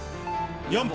４分。